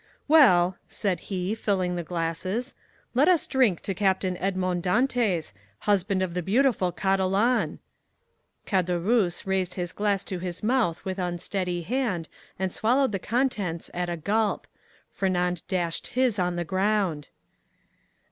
"Well," said he, filling the glasses, "let us drink to Captain Edmond Dantès, husband of the beautiful Catalane!" Caderousse raised his glass to his mouth with unsteady hand, and swallowed the contents at a gulp. Fernand dashed his on the ground.